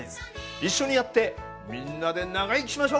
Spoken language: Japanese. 一緒にやってみんなで長生きしましょう！